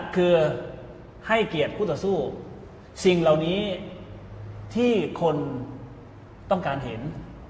คือให้เกียรติคู่ต่อสู้สิ่งเหล่านี้ที่คนต้องการเห็น